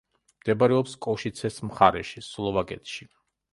მდებარეობს კოშიცეს მხარეში, სლოვაკეთში.